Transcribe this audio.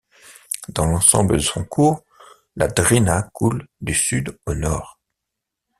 Dans l'ensemble de son cours, la Drina coule du sud au nord.